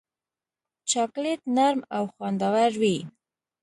چاکلېټ نرم او خوندور وي.